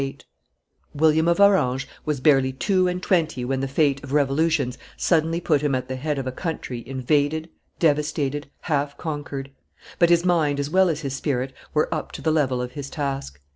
[Illustration: William III., Prince of Orange 434] William of Orange was barely two and twenty when the fate of revolutions suddenly put him at the head of a country invaded, devastated, half conquered; but his mind as well as his spirit were up to the level of his task.